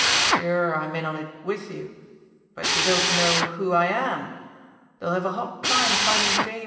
Sure, I'm in on it with you but you don't know who I am. They'll have a hot time finding J.